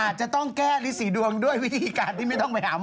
อาจจะต้องแก้ฤษีดวงด้วยวิธีการที่ไม่ต้องไปหาหมอ